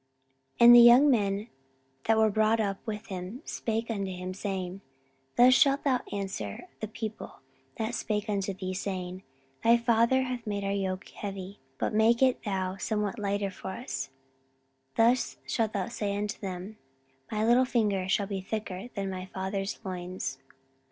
14:010:010 And the young men that were brought up with him spake unto him, saying, Thus shalt thou answer the people that spake unto thee, saying, Thy father made our yoke heavy, but make thou it somewhat lighter for us; thus shalt thou say unto them, My little finger shall be thicker than my father's loins.